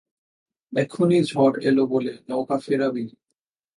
এখুনি ঝড় এলো বলে, নৌকা ফেরাবি?